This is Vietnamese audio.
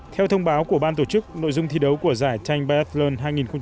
theo thông báo của ban tổ chức nội dung thi đấu của giải tank biathlon hai nghìn một mươi tám